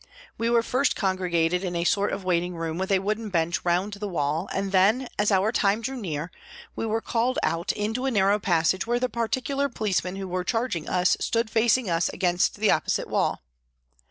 We were first congregated in a sort of waiting room with a wooden bench round the wall, and then, as our time drew near, we were called out into a narrow passage where the particular policemen who were charging us stood facing us against the opposite wall.